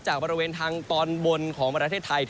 บริเวณทางตอนบนของประเทศไทย